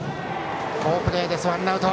好プレーです。